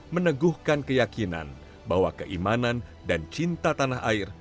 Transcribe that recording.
meneguhkan keyakinan bahwa keimanan dan cinta tanah air